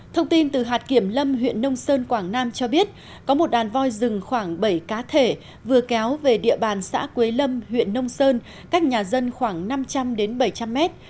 thông tin từ hạt kiểm lâm huyện nông sơn quảng nam cho biết có một đàn voi rừng khoảng bảy cá thể vừa kéo về địa bàn xã quế lâm huyện nông sơn cách nhà dân khoảng năm trăm linh đến bảy trăm linh mét